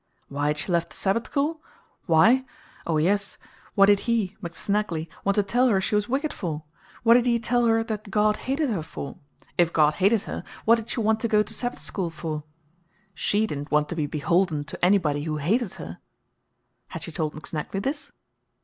Why had she left the Sabbath school? why? Oh, yes. What did he (McSnagley) want to tell her she was wicked for? What did he tell her that God hated her for? If God hated her, what did she want to go to Sabbath school for? SHE didn't want to be "beholden" to anybody who hated her. Had she told McSnagley this?